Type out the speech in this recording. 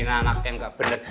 ini anak satu satunya kita